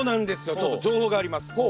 ちょっと情報があります。